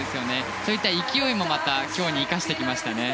そういった勢いもまた生かしてきましたね。